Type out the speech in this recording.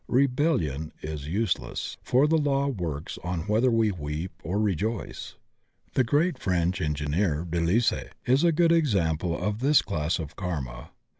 Rebellion is use less, for the law works on whether we weep or re joice. The great French engineer, de Lesseps, is a good example of this class of karma.